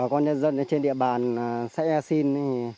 còn nhân dân trên địa bàn zaea sin